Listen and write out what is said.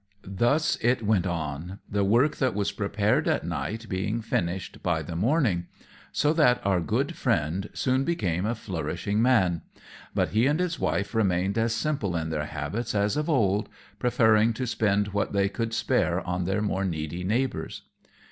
Thus it went on, the work that was prepared at night being finished by the morning, so that our good friend soon became a flourishing man; but he and his wife remained as simple in their habits as of old, preferring to spend what they could spare on their more needy neighbours.